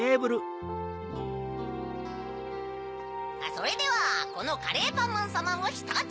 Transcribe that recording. それではこのカレーパンマンさまもひとつ。